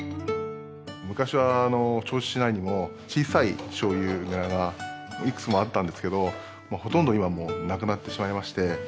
昔は銚子市内にも小さいしょうゆ蔵がいくつもあったんですけどほとんど今もうなくなってしまいまして。